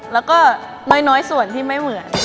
แล้วก็น้อยส่วนที่ไม่เหมือน